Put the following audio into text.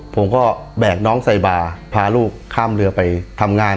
ผมก็แบกน้องไซบาพาลูกข้ามเรือไปทำงาน